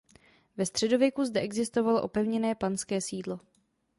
Ve středověku zde existovalo opevněné panské sídlo.